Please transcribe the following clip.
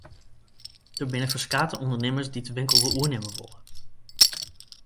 Der binne ferskate ûndernimmers dy't de winkel wol oernimme wolle.